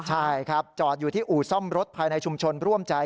ใช่ครับจอดอยู่ที่อู่ซ่อมรถภายในชุมชนร่วมใจ